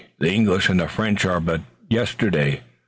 The English and the French are but of yesterday.